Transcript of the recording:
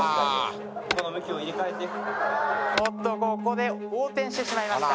ここで横転してしまいました。